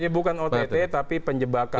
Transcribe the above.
bukan ott tapi penjebakan